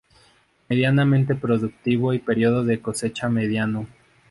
Medianamente productivo y periodo de cosecha mediano.